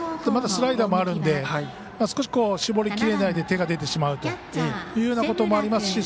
まだスライダーもあるので少し、絞りきれないで手が出てしまうということもあります